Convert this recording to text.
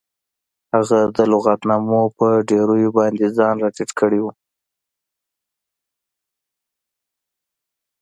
هغه د لغتنامو په ډیریو باندې ځان راټیټ کړی و